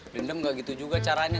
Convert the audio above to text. dendam gak gitu juga caranya